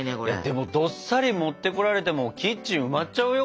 でもどっさり持ってこられてもキッチン埋まっちゃうよ